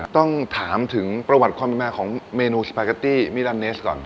ต้องถามถึงประวัติความเป็นมาของเมนูสปาเกตตี้มิลันเนสก่อน